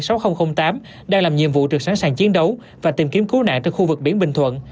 đoàn nhiệm vụ trực sẵn sàng chiến đấu và tìm kiếm cứu nạn trên khu vực biển bình thuận